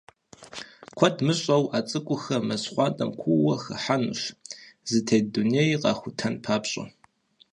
Куэд мыщӀэу, а цӏыкӏухэр мэз щхъуантӀэм куууэ хыхьэнущ, зытет дунейр къахутэн папщӏэ.